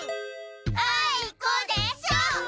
あいこでしょ！